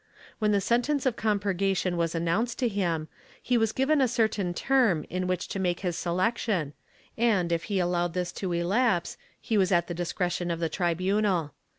When the sentence of compurgation was announced to him, he was given a certain term in which to make his selection and, if he allowed this to elapse, he was at the discretion of the tribunal.